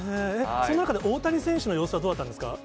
その中で大谷選手の様子はどうだったんですか。